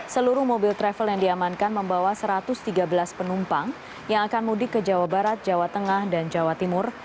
seluruh mobil travel yang diamankan membawa satu ratus tiga belas penumpang yang akan mudik ke jawa barat jawa tengah dan jawa timur